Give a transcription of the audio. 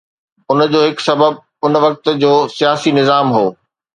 ان جو هڪ سبب ان وقت جو سياسي نظام هو.